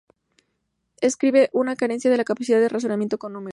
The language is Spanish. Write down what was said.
Describe una carencia de la capacidad de razonar con números.